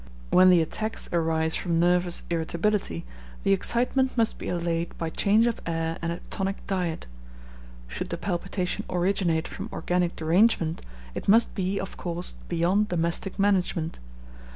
When the attacks arise from nervous irritability, the excitement must be allayed by change of air and a tonic diet. Should the palpitation originate from organic derangement, it must be, of course, beyond domestic management.